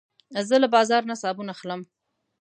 زه له بازار نه صابون اخلم.